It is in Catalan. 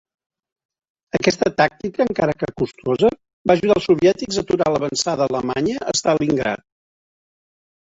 Aquesta tàctica, encara que costosa, va ajudar els soviètics a aturar l'avançada alemanya a Stalingrad.